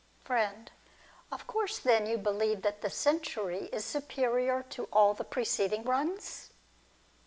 Friend. Of course, then, you believe that this century is superior to all the preceding ones